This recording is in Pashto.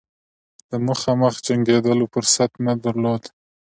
د مخامخ جنګېدلو فرصت نه درلود.